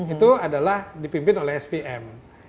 itu adalah dipimpin oleh spm